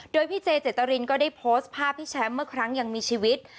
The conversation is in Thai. โดยพี่เจเจตรินก็ได้โพสต์ภาพพี่แชมป์เมื่อครั้งยังมีชีวิต